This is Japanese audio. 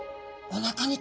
おなかに？